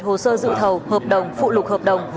hồ sơ dự thầu hợp đồng phụ lục hợp đồng